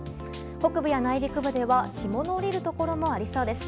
北部や内陸部では霜の降りるところもありそうです。